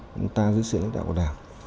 chúng ta giữ sự đạo của đảng